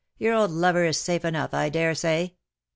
Your old lover is safe enough, I daresay."